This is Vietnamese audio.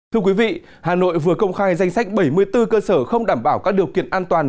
thưa quý vị hà nội vừa công khai danh sách bảy mươi bốn cơ sở không đảm bảo các điều kiện an toàn